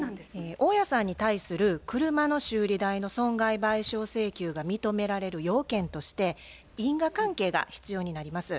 大家さんに対する車の修理代の損害賠償請求が認められる要件として因果関係が必要になります。